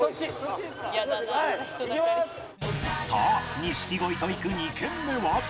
さあ錦鯉と行く２軒目は